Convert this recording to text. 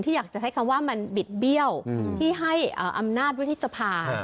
อยากจะใช้คำว่ามันบิดเบี้ยวที่ให้อำนาจวุฒิสภา